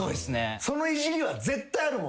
そのいじりは絶対あるもんな。